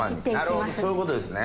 なるほどそういうことですね。